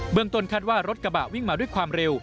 เมืองต้นคาดว่ารถกระบะวิ่งมาด้วยความเร็ว